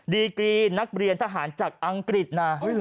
ดีกรีนักเรียนทหารจากอังกฤษนะ